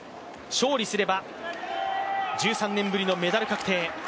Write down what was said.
勝利すれば１３年ぶりのメダル確定。